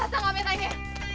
sasa gak bener ini